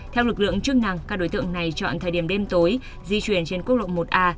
theo lực lượng chức năng các đối tượng này chọn thời điểm đêm tối di chuyển trên quốc lộ một a